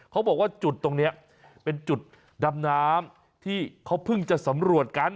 เขาบอกว่าจุดตรงนี้เป็นจุดดำน้ำที่เขาเพิ่งจะสำรวจกัน